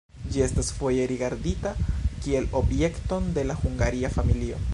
Ĝi estas foje rigardita kiel objekton de la Hungaria familio.